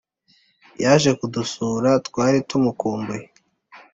Yaje kudusura twari tumukumbuye